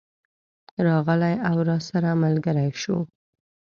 راغلی او راسره ملګری شو.